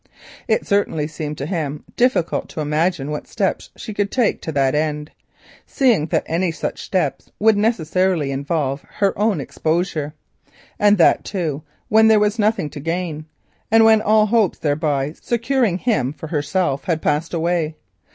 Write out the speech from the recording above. It certainly seemed to him difficult to imagine what steps she could take to that end, seeing that any such steps would necessarily involve her own exposure, and that too when there was nothing to gain, and when all hopes of thereby securing him for herself had passed away.